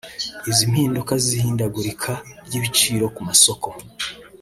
Izi mpinduka z’ihindagurika ry’ibiciro ku masoko